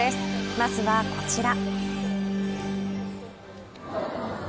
まずはこちら。